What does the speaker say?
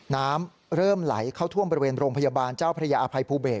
น้ำเริ่มไหลเข้าท่วมบริเวณโรงพยาบาลเจ้าพระยาอภัยภูเบศ